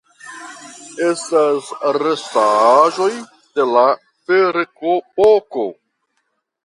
Estas restaĵoj de la Ferepoko.